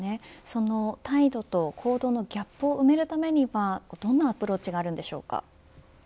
その態度と行動のギャップを埋めるためにはどんなアプローチがあるんでしょうか。